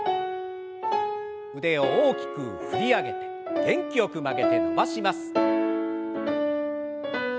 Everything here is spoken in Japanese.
腕を大きく振り上げて元気よく曲げて伸ばします。